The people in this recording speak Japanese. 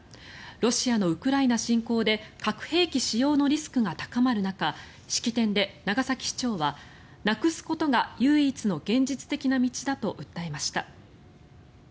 ロシアのウクライナ侵攻で核兵器使用のリスクが高まる中式典で長崎市長は、なくすことが唯一の現実的な道だと訴えました。